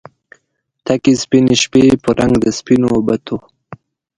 تکې سپینې شپې په رنګ د سپینو بتو